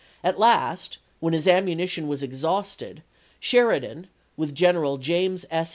At last, when his ammunition was exhausted, Sheridan, with General James S.